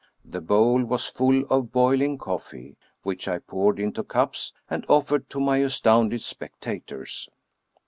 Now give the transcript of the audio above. The bowl was full of boiling coffee, which I poured into cups, and offered to my astounded spectators.